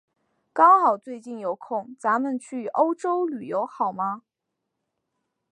刚好最近有空，咱们去欧洲旅游好吗？